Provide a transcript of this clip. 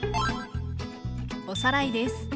おさらいです。